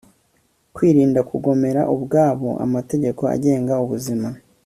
kwirinda kugomera ubwabo amategeko agenga ubuzima